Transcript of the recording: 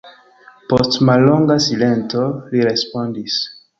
Post mallonga silento, li respondis: